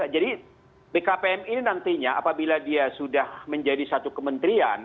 jadi bkpm ini nantinya apabila dia sudah menjadi satu kementerian